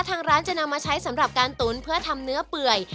ทางร้านจะนำมาใช้สำหรับการตุ๋นเพื่อทำเนื้อเปื่อย